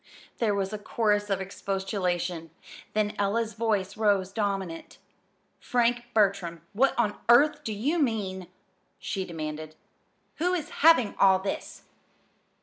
There was a chorus of expostulation; then Ella's voice rose dominant. "Frank Bertram, what on earth do you mean?" she demanded. "Who is having all this?"